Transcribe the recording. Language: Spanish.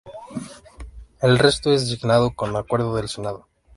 El resto es designado con acuerdo del Senado.